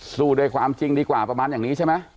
สู้ด้วยความจริงดีกว่าประมาณอย่างนี้ใช่ไหม